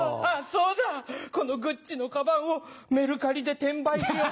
そうだこのグッチのカバンをメルカリで転売しよう。